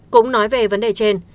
cũng nói về vấn đề trên